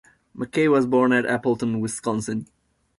McKay was born at Appleton, Wisconsin.